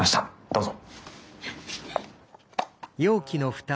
どうぞ。